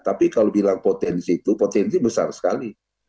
tapi kalau bilang potensi itu potensi besar sekali